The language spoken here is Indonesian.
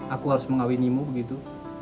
aku harus mengawinimu begitu